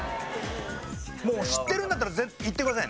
もう知ってるんだったらいってくださいね。